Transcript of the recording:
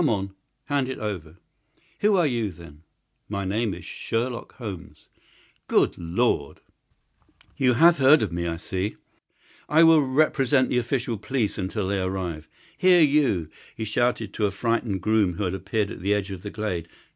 Come, hand it over!" "Who are you, then?" "My name is Sherlock Holmes." "Good Lord!" "You have heard of me, I see. I will represent the official police until their arrival. Here, you!" he shouted to a frightened groom who had appeared at the edge of the glade.